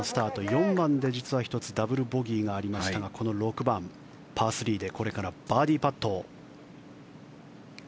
４番で実は１つダブルボギーがありましたがこの６番、パー３でこれからバーディーパット。